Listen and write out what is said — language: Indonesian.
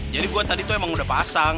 jadi gua tadi tuh emang udah pasang